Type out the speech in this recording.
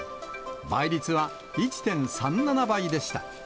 倍率は１．３７倍でした。